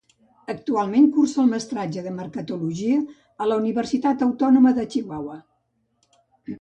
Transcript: Actualment cursa el Mestratge en Mercatologia a la Universitat Autònoma de Chihuahua.